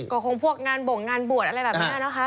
ก็คงพวกงานบ่งงานบวชอะไรแบบนี้นะคะ